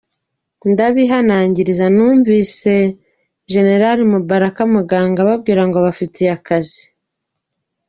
Ndabihanangiriza numvise generali Mubaraka Muganga ababwirako ngo abafitiye akazi!